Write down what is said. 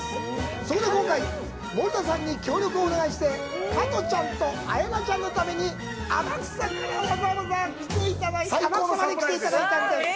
そこで今回、森田さんに協力をお願いして加トちゃんと綾菜ちゃんのために天草まで来ていただいたんです。